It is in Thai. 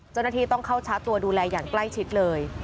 จนทีต้องเข้าช้าตัวดูแลอย่างใกล้ชิดเลย